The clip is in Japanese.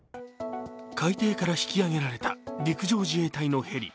海底から引き揚げられた陸上自衛隊のヘリ。